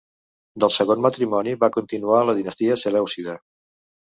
Del segon matrimoni va continuar la dinastia selèucida.